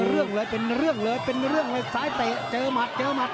เรื่องเลยเป็นเรื่องเลยเป็นเรื่องเลยซ้ายเตะเจอหมัดเจอหมัด